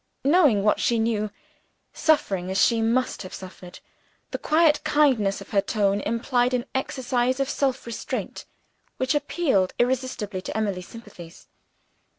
Knowing what she knew, suffering as she must have suffered, the quiet kindness of her tone implied an exercise of self restraint which appealed irresistibly to Emily's sympathies.